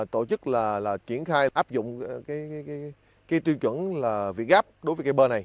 tổ chức là chuyển khai áp dụng cái tiêu chuẩn là vị gáp đối với cây bơ này